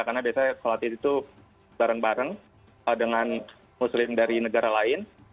karena biasanya kolat itu bareng bareng dengan muslim dari negara lain